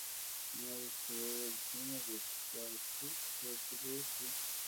ما ورته وویل: سمه ده، ساسیج به پرې کړي؟